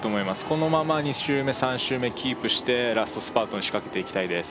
このまま２周目３周目キープしてラストスパートに仕掛けていきたいです